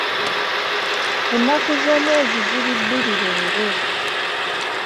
Ennaku z'omwezi ziri bbiri leero.